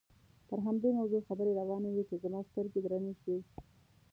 پر همدې موضوع خبرې روانې وې چې زما سترګې درنې شوې.